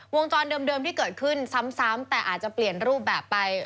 วงจรเดิมที่เกิดขึ้นซ้ำแต่อาจจะเปลี่ยนรูปแบบไป